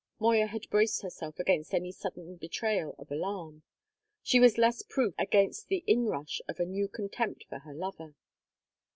Moya had braced herself against any sudden betrayal of alarm; she was less proof against the inrush of a new contempt for her lover.